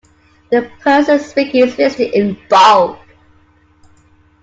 The person speaking is listed in bold.